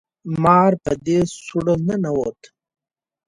مار په دې سوړه ننوت